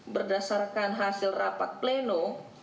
berdasarkan hasil rapat pleno